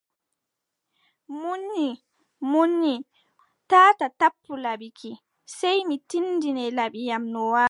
Munyi, munyi, wiʼi gudiijo : taataa tappu laɓi ki, sey mi tindine laɓi am no waari.